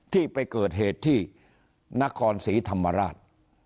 ที่ไปเกิดเหตุที่นครศรีธรรมราช